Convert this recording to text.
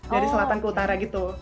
dari selatan ke utara gitu